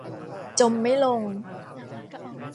จมไม่ลง